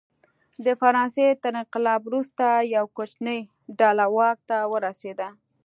د فرانسې تر انقلاب وروسته یوه کوچنۍ ډله واک ته ورسېده.